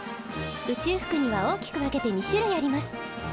宇宙服には大きく分けて２種類あります。